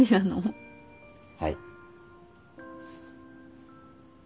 はい。